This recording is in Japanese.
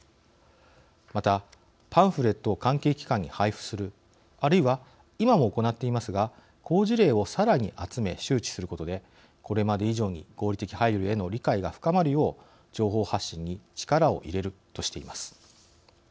また、パンフレットを関係機関に配布する、あるいは今も行っていますが好事例をさらに集め周知することでこれまで以上に合理的配慮への理解が深まるよう情報発信に力を入れるとしています。